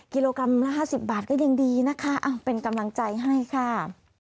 กิโลกรัมละ๕๐บาทก็ยังดีนะคะเป็นกำลังใจให้ค่ะ